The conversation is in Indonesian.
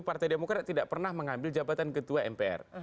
partai demokrat tidak pernah mengambil jabatan ketua mpr